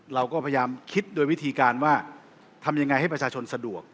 เราก็พยายามคิดโดยวิธีการว่าทำยังไงให้ประชาชนสะดวก